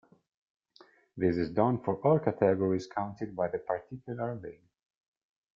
This is done for all categories counted by the particular league.